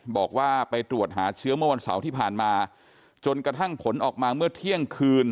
บอกว่าไปตรวจหาเชื้อเมื่อวันเสาร์ที่ผ่านมาจนกระทั่งผลออกมาเมื่อเที่ยงคืน